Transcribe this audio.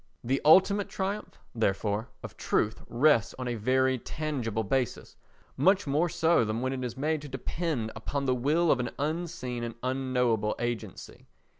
The ultimate triumph, therefore, of truth rests on a very tangible basis—much more so than when it is made to depend upon the will of an unseen and unknowable agency.